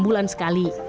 enam bulan sekali